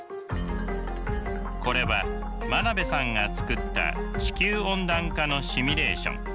これは真鍋さんが作った地球温暖化のシミュレーション。